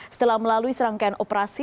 setelah melalui serangkaian operasi